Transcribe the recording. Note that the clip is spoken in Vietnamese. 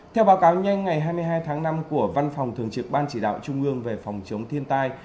theo báo cáo nhanh ngày hai mươi hai tháng năm của văn phòng thường trực ban chỉ đạo trung ương về phòng chống thiên tai